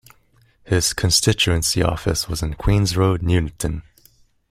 His constituency office was in Queens Road, Nuneaton.